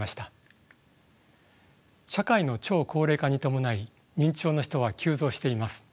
社会の超高齢化に伴い認知症の人は急増しています。